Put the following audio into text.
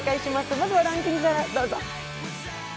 まずはランキングからどうぞ。